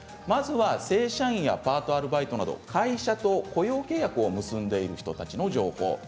まずは正社員や派遣社員パート、アルバイトなど会社と雇用契約を結んでいる人の情報。